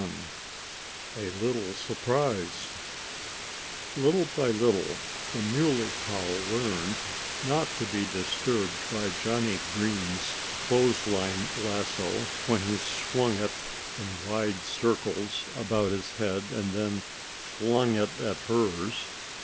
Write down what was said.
VII A LITTLE SURPRISE Little by little the Muley Cow learned not to be disturbed by Johnnie Green's clothesline lasso, when he swung it in wide circles about his head and then flung it at hers.